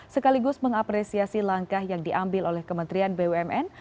sekaligus mengapresiasi langkah yang diambil oleh kementerian bumn